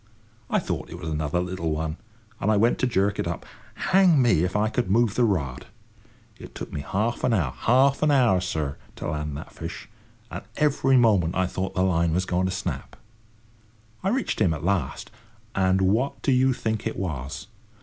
I thought it was another little one, and I went to jerk it up. Hang me, if I could move the rod! It took me half an hour—half an hour, sir!—to land that fish; and every moment I thought the line was going to snap! I reached him at last, and what do you think it was?